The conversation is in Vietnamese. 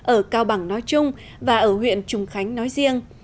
ở cao bằng nói chung và ở huyện trùng khánh nói riêng